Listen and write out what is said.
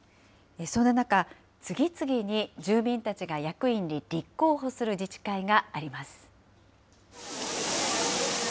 そんな中、次々に住民たちが役員に立候補する自治会があります。